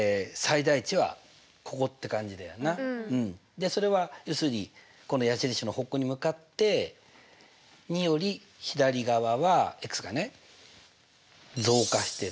でそれは要するにこの矢印の方向に向かって２より左側はがね増加してる。